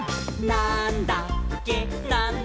なんだっけ？！」